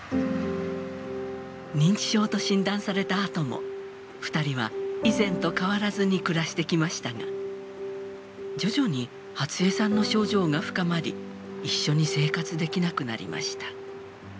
認知症と診断されたあとも２人は以前と変わらずに暮らしてきましたが徐々に初江さんの症状が深まり一緒に生活できなくなりました。